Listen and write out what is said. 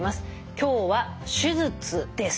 今日は手術です。